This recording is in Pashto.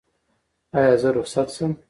ایا زه رخصت شم؟